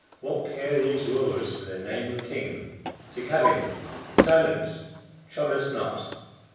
What care these roarers for the name of king? To cabin! Silence! Trouble us not.